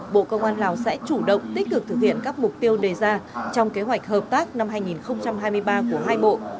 bộ công an lào sẽ chủ động tích cực thực hiện các mục tiêu đề ra trong kế hoạch hợp tác năm hai nghìn hai mươi ba của hai bộ